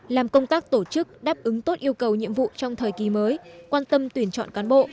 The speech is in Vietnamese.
làm công tác tổ chức đáp ứng tốt yêu cầu nhiệm vụ trong thời kỳ mới quan tâm tuyển chọn cán bộ